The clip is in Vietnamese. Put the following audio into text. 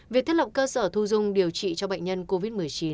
việc thiết lập cơ sở thu dung điều trị cho bệnh nhân covid một mươi chín